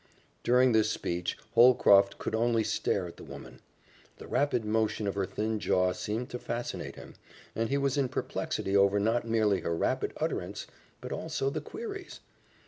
During this speech, Holcroft could only stare at the woman. The rapid motion of her thin jaw seemed to fascinate him, and he was in perplexity over not merely her rapid utterance, but also the queries.